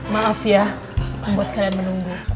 maaf ya buat kalian menunggu